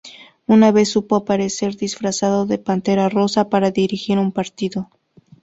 Una vez supo aparecer disfrazado de pantera rosa para dirigir un partido.